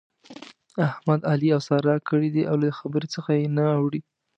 احمد؛ علي اوسار کړی دی او له خبرې څخه يې نه اوړي.